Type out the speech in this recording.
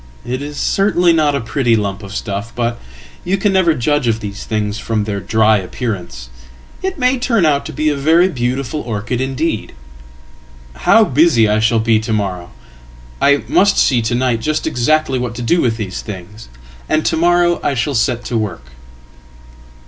"It iscertainly not a pretty lump of stuff. But you can never judge of thesethings from their dry appearance. It may turn out to be a very beautifulorchid indeed. How busy I shall be to morrow! I must see to night justexactly what to do with these things, and to morrow I shall set to work.""